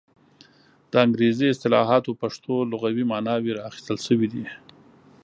د انګریزي اصطلاحاتو پښتو لغوي ماناوې را اخیستل شوې دي.